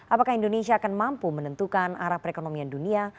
apakah indonesia akan mampu menentukan arah perekonomian dunia